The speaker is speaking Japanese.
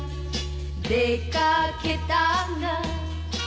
「出掛けたが」